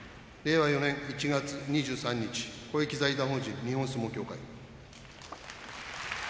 令和４年１月２３日公益財団法人日本相撲協会